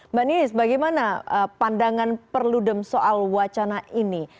mbak ninis bagaimana pandangan perludem soal wacana ini